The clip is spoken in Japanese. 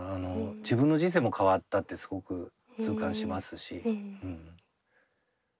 自分の人生も変わったってすごく痛感しますし。